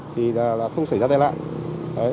thì là không xảy ra tai lãi